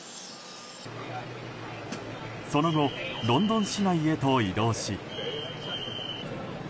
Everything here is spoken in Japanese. その後ロンドン市内へと移動し。